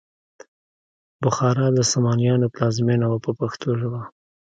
بخارا د سامانیانو پلازمینه وه په پښتو ژبه.